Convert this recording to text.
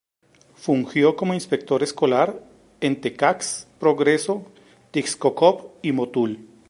Fungió como inspector escolar en Tekax, Progreso, Tixkokob y Motul.